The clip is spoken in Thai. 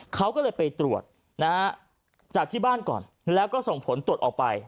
เขาก็เลยไปตรวจนะฮะจากที่บ้านก่อนแล้วก็ส่งผลตรวจออกไป